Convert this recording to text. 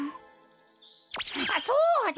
あっそうだ！